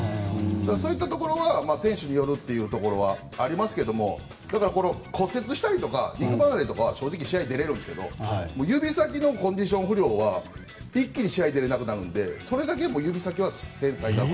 そういったところは選手によるところはありますが骨折したり肉離れとかは正直試合に出れるんですが指先のコンディション不良は一気に試合に出られなくなるのでそれだけ指先は繊細だと。